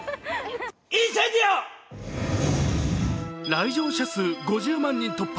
来場者数５０万人突破。